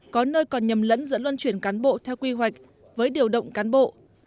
có nơi còn nhầm lẫn dẫn loan chuyển cán bộ theo quy hoạch với điều động cán bộ